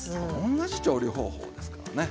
同じ調理方法ですからね。